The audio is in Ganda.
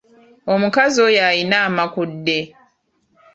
Omukazi oyo alina amakudde.